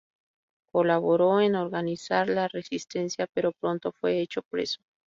Colaboró en organizar la resistencia pero pronto fue hecho preso.